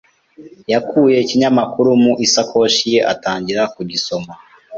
yakuye ikinyamakuru mu isakoshi ye atangira kugisoma.